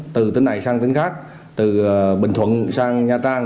từ tỉnh này sang tỉnh khác từ bình thuận sang nha trang